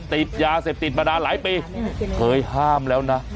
ติดยาเสพติดมานานหลายปีเคยห้ามแล้วนะ